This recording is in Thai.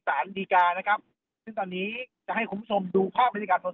สารดีกานะครับซึ่งตอนนี้จะให้คุณผู้ชมดูภาพบรรยากาศสด